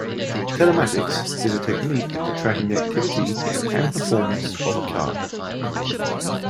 Telematics is a technique for tracking the activity and performance of a car.